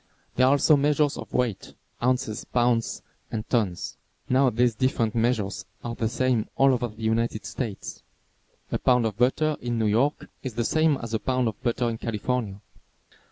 There are also measures of weight, ounces, pounds and tons. Now these different measures are the same all over the United States. A pound of butter in New York is the same as a pound of butter in California.